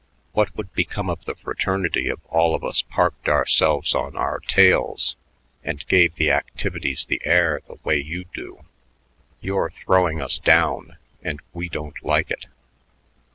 What would become of the fraternity if all of us parked ourselves on our tails and gave the activities the air the way you do? You're throwing us down, and we don't like it."